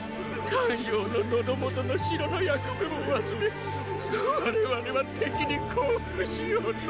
咸陽の喉元の城の役目も忘れ我々は敵に降伏しようと。